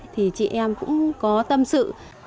thì chị em cũng có tâm sự